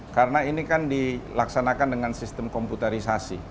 karena ini kan dilaksanakan dengan sistem komputerisasi